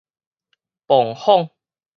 磅況